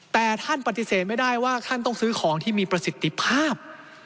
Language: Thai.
แต่ท่านปฏิเสธไม่ได้ว่าท่านต้องซื้อของที่มีประสิทธิภาพ